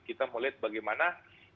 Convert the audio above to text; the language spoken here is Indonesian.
kita melihat bagaimana